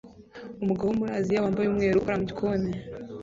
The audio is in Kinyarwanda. Umugabo wo muri Aziya wambaye umweru ukora mu gikoni